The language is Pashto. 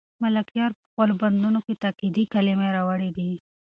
ملکیار په خپلو بندونو کې تاکېدي کلمې راوړي دي.